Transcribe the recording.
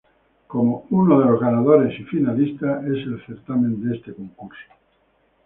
Como uno de los ganadores y finalistas, en el certamen de este concurso.